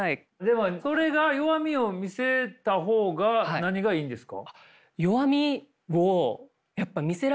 それが弱みを見せた方が何がいいんですか？